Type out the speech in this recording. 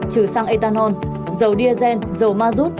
trừ xăng etanol dầu diazen dầu ma rút